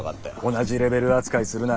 同じレベル扱いするな。